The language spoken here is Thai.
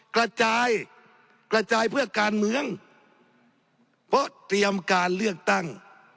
กระจายกระจายเพื่อการเมืองเพราะเตรียมการเลือกตั้ง